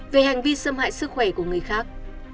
về hành vi xâm hại sức khỏe của người khác